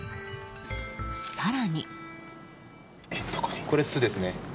更に。